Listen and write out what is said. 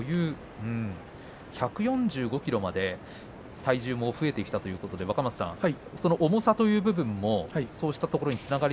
１４５ｋｇまで体重も増えてきたということで若松さん、重さという部分、どうですかね。